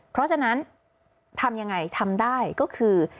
เพราะฉะนั้นทำยังไงทำได้ก็คือ